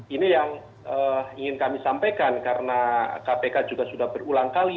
ini yang ingin kami sampaikan karena kpk juga sudah berulang kali